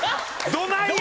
どないや！